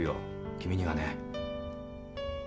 君にはね。